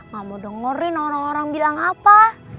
gak mau dengerin orang orang bilang apa